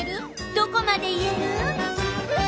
どこまでいえる？